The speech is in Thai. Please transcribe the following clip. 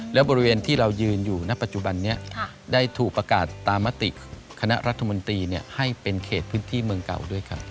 และบริเวณที่เรายืนอยู่ณปัจจุบันนี้ได้ถูกประกาศตามมติคณะรัฐมนตรีให้เป็นเขตพื้นที่เมืองเก่าด้วยครับ